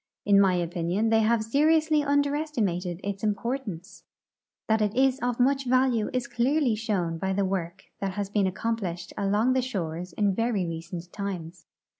In my opinion they have seri ously underestimated its importance. That it is of much A^alue is clearly shoAvn by the AVork that has been accomplished along the shores in very recent times.